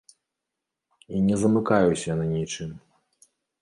Я не замыкаюся на нечым.